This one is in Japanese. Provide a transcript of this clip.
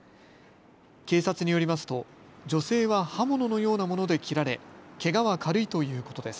警察によりますと、女性は刃物のようなもので切られけがは軽いということです。